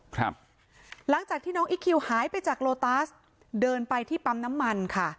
ครับหลังจากที่น้องอีคคิวหายไปจากโลตัสเดินไปที่ปั๊มน้ำมันค่ะ